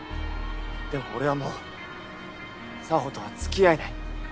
でも俺はもう沙帆とは付き合えない。